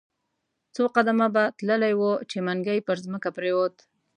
څو قدمه به تللی وو، چې منګی پر مځکه پریووت.